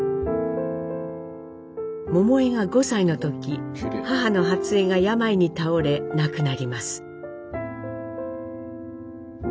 桃枝が５歳の時母の初枝が病に倒れ亡くなります。